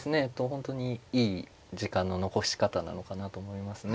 本当にいい時間の残し方なのかなと思いますね。